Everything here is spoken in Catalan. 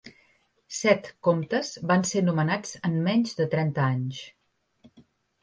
Set comtes van ser nomenats en menys de trenta anys.